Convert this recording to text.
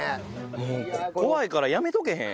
もう怖いからやめとけへん？